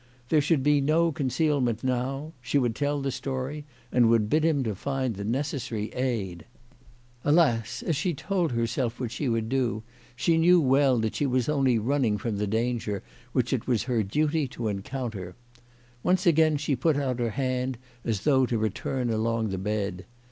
There should be no concealment now. She would tell the story and would bid him to find the necessary aid. Alas ! as she told 220 CHRISTMAS AT THOMPSON HALL. herself that she would do so, she knew well that she was only running from the danger which it wa& her duty to encounter. Once again she put out her hand as though to return along the bed.